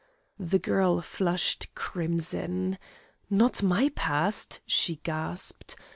The girl flushed crimson. "Not my past," she gasped.